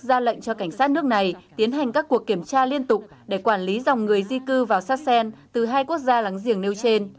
ra lệnh cho cảnh sát nước này tiến hành các cuộc kiểm tra liên tục để quản lý dòng người di cư vào sassen từ hai quốc gia láng giềng nêu trên